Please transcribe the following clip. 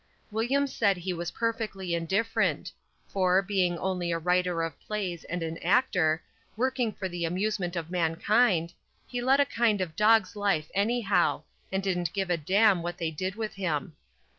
William said he was perfectly indifferent; for, being only a writer of plays and an actor, working for the amusement of mankind, he led a kind of dog's life anyhow, and didn't give a damn what they did with him.